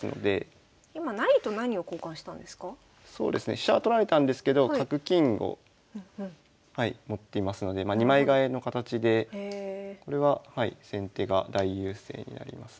飛車は取られたんですけど角金をはい持っていますので二枚換えの形でこれは先手が大優勢になりますね。